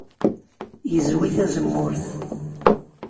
Yezwi tazemmurt.